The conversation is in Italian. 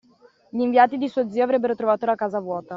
Gli inviati di suo zio avrebbero trovato la casa vuota.